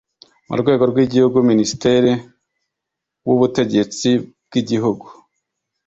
Mu rwego rw’ igihungu: ministeri w’ ubutegetsi bw’ igihungu